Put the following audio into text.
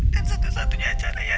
dan satu satunya caranya